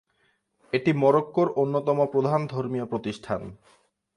এটি মরক্কোর অন্যতম প্রধান ধর্মীয় প্রতিষ্ঠান।